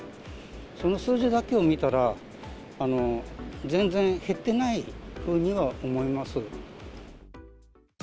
その数字だけを見たら、全然減ってないふうには思えます。